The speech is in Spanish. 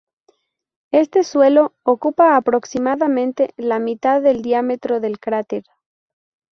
Este suelo ocupa aproximadamente la mitad del diámetro del cráter.